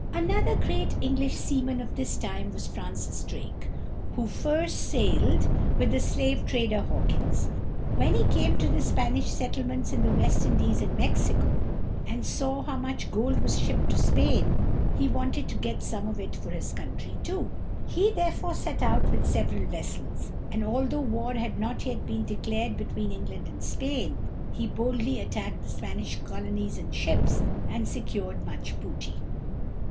Another great English seaman of this time was Francis Drake, who first sailed with the slave trader Hawkins. When he came to the Spanish settlements in the West Indies and Mexico, and saw how much gold was shipped to Spain, he wanted to get some of it for his country, too. He therefore set out with several vessels, and although war had not yet been declared between England and Spain, he boldly attacked the Spanish colonies and ships, and secured much booty.